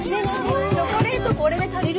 チョコレートこれで足りる？